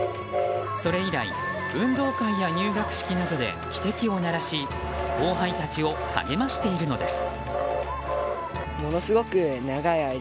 それ以来、運動会や入学式などで汽笛を鳴らし後輩たちを励ましているのです。